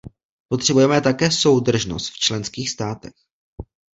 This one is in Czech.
Potřebujeme také soudržnost v členských státech.